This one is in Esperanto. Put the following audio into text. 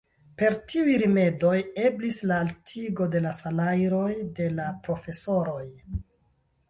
Per tiuj rimedoj eblis la altigo de la salajroj de la profesoroj.